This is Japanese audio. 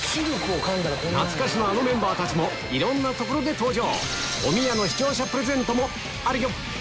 懐かしのあのメンバーたちもいろんなところで登場